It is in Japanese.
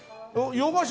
洋菓子？